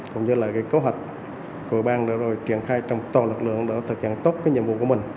cũng như là cấu hạch của bang đã rồi triển khai trong toàn lực lượng để thực hiện tốt cái nhiệm vụ của mình